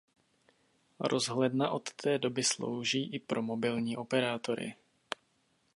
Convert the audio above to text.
Rozhledna od té doby slouží i pro mobilní operátory.